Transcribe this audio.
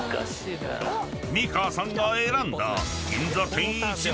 ［美川さんが選んだ］